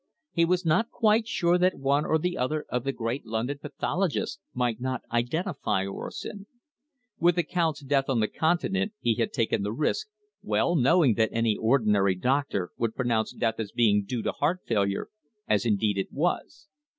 He was not quite sure that one or other of the great London pathologists might not identify orosin. With the Count's death on the Continent he had taken the risk, well knowing that any ordinary doctor would pronounce death as being due to heart failure, as indeed it was.